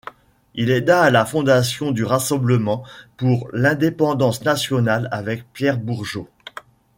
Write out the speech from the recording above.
Il aida à la fondation du Rassemblement pour l'indépendance nationale avec Pierre Bourgault.